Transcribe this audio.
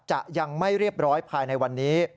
จะยังไม่เรียบร้อยภายในวันนี้